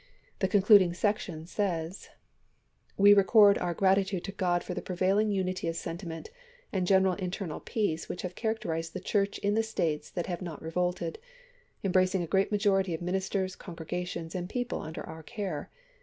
The concluding section says : We record our gratitude to God for the prevailing unity of sentiment and general internal peace which have characterized the Church in the States that have not revolted, embracing a great majority of ministers, congregations, and people under our care.